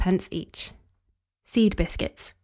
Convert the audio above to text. each. SEED BISCUITS.